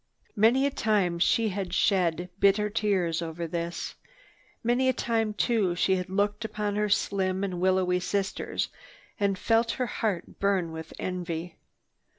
Many a time she had shed bitter tears over this. Many a time too she had looked upon her slim and willowy sisters and felt her heart burn with envy.